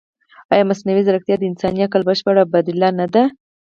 ایا مصنوعي ځیرکتیا د انساني عقل بشپړه بدیله نه ده؟